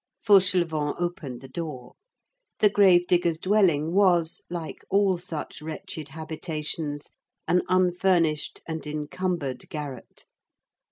Fauchelevent opened the door. The grave digger's dwelling was, like all such wretched habitations, an unfurnished and encumbered garret.